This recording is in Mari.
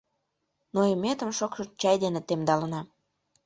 Нойыметым шокшо чай дене темдалына.